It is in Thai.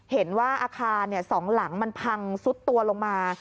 เห็นว่าอาคาร๒หลังมันพังซุดตัวลงมา